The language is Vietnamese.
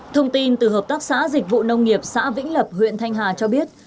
thông tin từ hợp tác xã dịch vụ nông nghiệp xã vĩnh lập huyện thanh hà cho biết